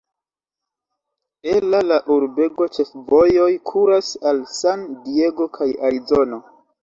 Ela la urbego ĉefvojoj kuras al San Diego kaj Arizono.